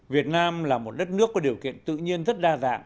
việt nam là một đất nước có điều kiện tự nhiên rất đa dạng